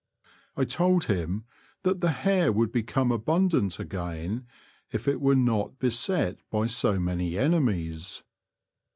I told him that the hare would become abundant again if it were not beset by so many enemies.